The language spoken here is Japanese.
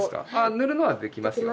塗るのはできますよ。